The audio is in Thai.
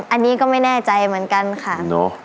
อันนี้ก็ไม่แน่ใจเหมือนกันค่ะ